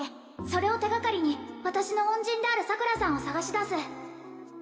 それを手がかりに私の恩人である桜さんを捜し出す